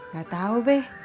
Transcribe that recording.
gak tau be